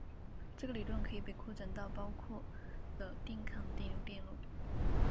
这个理论可以被扩展到包括了电抗的交流电路。